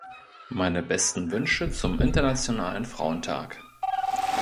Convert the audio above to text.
Meine besten Wünsche zum Internationalen Frauentag.